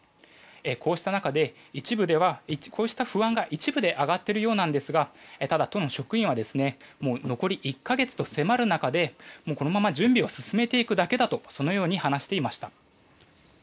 そうした中でこうした不安が一部で上がっているようですがただ、都の職員は残り１か月と迫る中でこのまま準備を進めていくだけだとそのように話していました。